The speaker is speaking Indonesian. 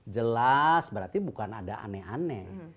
jelas berarti bukan ada aneh aneh